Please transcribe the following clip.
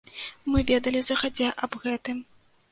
Мы ведалі загадзя аб гэтым.